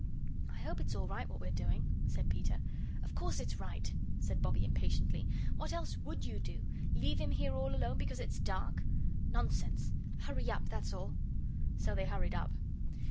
"I hope it's all right what we're doing," said Peter. "Of course it's right," said Bobbie, impatiently. "What else WOULD you do? Leave him here all alone because it's dark? Nonsense. Hurry up, that's all." So they hurried up.